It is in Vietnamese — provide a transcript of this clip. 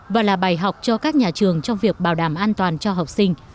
và là bài học cho các nhà trường trong việc bảo đảm an toàn cho học sinh